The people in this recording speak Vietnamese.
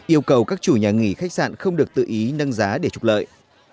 yêu cầu các chủ nhà nghỉ khách sạn không được tự ý nâng giá để trục lợi